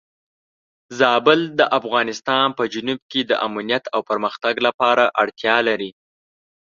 زابل د افغانستان په جنوب کې د امنیت او پرمختګ لپاره اړتیا لري.